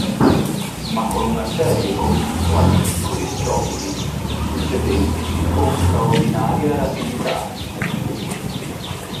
Ma con una serie continua di piccoli scoppi succedentisi con straordinaria rapidità.